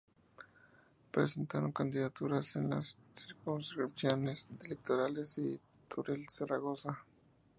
Presentaron candidaturas en las circunscripciones electorales de Teruel y Zaragoza.